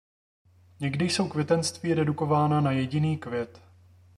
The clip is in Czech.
Někdy jsou květenství redukovaná na jediný květ.